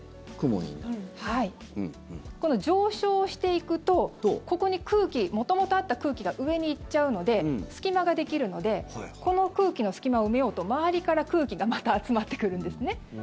この上昇していくとここに空気、元々あった空気が上に行っちゃうので隙間ができるのでこの空気の隙間を埋めようと周りから空気がまた集まってくるんですね。